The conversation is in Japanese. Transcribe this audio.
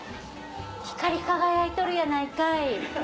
光り輝いとるやないかい。